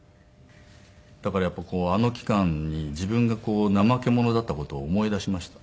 だからやっぱりあの期間に自分が怠け者だった事を思い出しました。